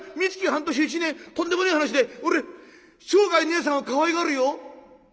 半年１年とんでもねえ話で俺生涯ねえさんをかわいがるよ！」。